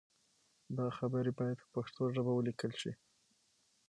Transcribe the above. دا خبرې باید په پښتو ژبه ولیکل شي.